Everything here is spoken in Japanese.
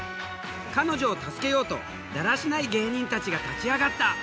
彼女を助けようとだらしない芸人たちが立ち上がった。